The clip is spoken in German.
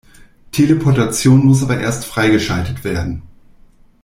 Teleportation muss aber erst freigeschaltet werden.